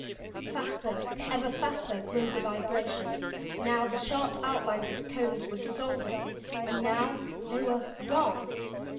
Faster, ever faster grew the vibration. Now the sharp outlines of the cones were dissolving. And now they were gone.